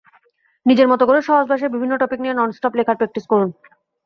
নিজের মতো করে সহজ ভাষায় বিভিন্ন টপিক নিয়ে ননস্টপ লেখার প্র্যাকটিস করুন।